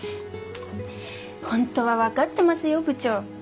ホントは分かってますよ部長。